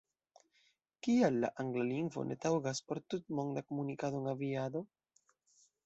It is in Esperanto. Kial la angla lingvo ne taŭgas por tutmonda komunikado en aviado?